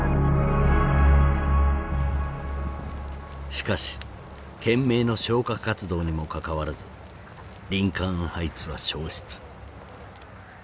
しかし懸命の消火活動にもかかわらずリンカーン・ハイツは焼失。